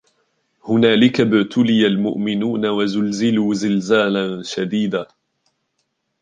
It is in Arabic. هنالك ابتلي المؤمنون وزلزلوا زلزالا شديدا